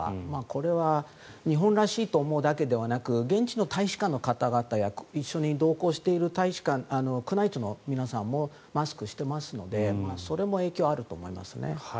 これは日本らしいと思うだけではなく現地の大使館の方々や一緒に同行している宮内庁の皆さんもマスクをしていますのでそれも影響があると思いますね。